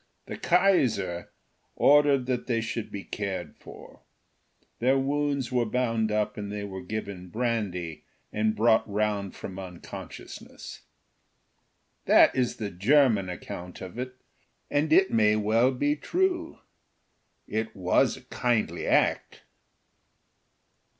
The Kaiser ordered that they should be cared for: their wounds were bound up and they were given brandy, and brought round from unconsciousness. That is the German account of it, and it may well be true. It was a kindly act.